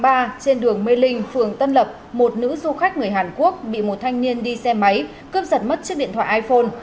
trên đường mê linh phường tân lập một nữ du khách người hàn quốc bị một thanh niên đi xe máy cướp giật mất chiếc điện thoại iphone